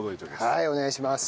はいお願いします。